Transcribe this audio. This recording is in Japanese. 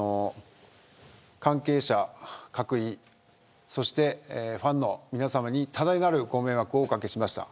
関係者各位そしてファンの皆さまに多大なるご迷惑をおかけしました。